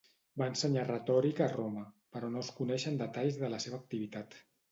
Va ensenyar retòrica a Roma, però no es coneixen detalls de la seva activitat.